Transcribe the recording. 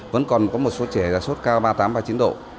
vẫn còn có một số trẻ là sốt cao ba mươi tám ba mươi chín độ